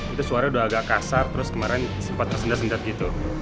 itu suaranya udah agak kasar terus kemarin sempat tersendat sendat gitu